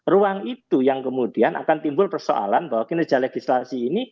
ruang itu yang kemudian akan timbul persoalan bahwa kinerja legislasi ini